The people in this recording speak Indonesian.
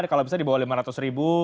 kalau bisa dibawah lima ratus ribu